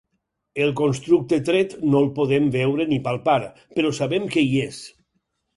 El constructe tret no el podem veure ni palpar, però sabem que hi és.